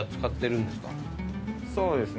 そうですね